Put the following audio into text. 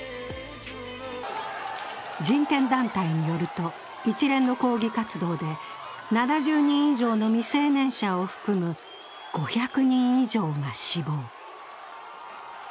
人権団体によると、一連の抗議活動で７０人以上の未成年者を含む５００人以上が死亡。